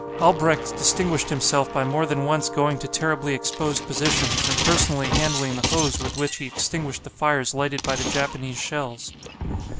Albrecht distinguished himself by more than once going to terribly exposed positions, and personally handling the hose with which he extinguished the fires lighted by the Japanese shells.